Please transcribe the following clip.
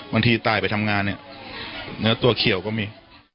บางทีตายไปทำงานเนี่ยเนื้อตัวเขียวก็มี